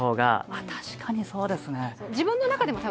確かにそうですね。